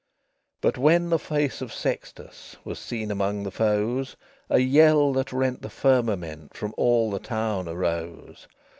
XXV But when the face of Sextus Was seen among the foes, A yell that rent the firmament From all the town arose.